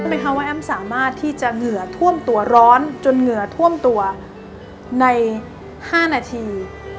แอ้มสามารถเนื้อท่วมตัวร้อนจนเงื่อท่วมตัวใน๕นาที